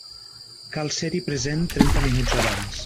Cal ser-hi present trenta minuts abans.